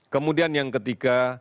kemudian yang ketiga